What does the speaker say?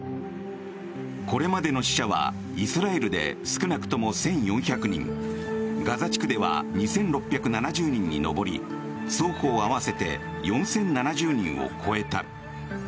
これまでの死者はイスラエルで少なくとも１４００人ガザ地区では２６７０人に上り双方合わせて４０７０人を超えた。